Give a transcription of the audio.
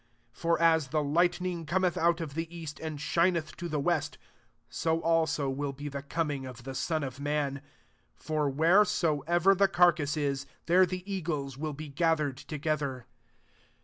For as the lightning cometh of the east, and shineth to west i so [also] will be the coi ingof the Son of man. 28 [F< wheresoever the carcase is, th< the eagles will be gathered gether.